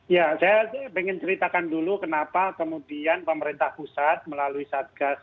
ya saya ingin ceritakan dulu kenapa kemudian pemerintah pusat melalui satgas